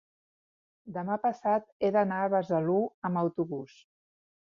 demà passat he d'anar a Besalú amb autobús.